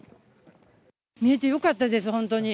見えてよかったです、本当に。